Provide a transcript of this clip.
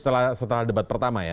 setelah debat pertama ya